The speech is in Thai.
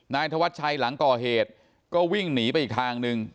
นายธวัชชัยหลังก่อเหตุก็วิ่งหนีไปอีกทางหนึ่ง